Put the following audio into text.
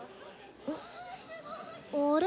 あれ？